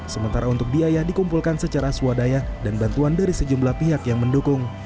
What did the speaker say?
sementara untuk biaya dikumpulkan secara swadaya dan bantuan dari sejumlah pihak yang mendukung